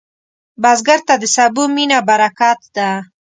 بزګر ته د سبو مینه برکت ده